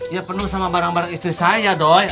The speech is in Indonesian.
ya penuh sama barang barang istri saya dong